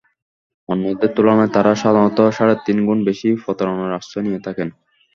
অন্যদের তুলনায় তাঁরা সাধারণত সাড়ে তিন গুণ বেশি প্রতারণার আশ্রয় নিয়ে থাকেন।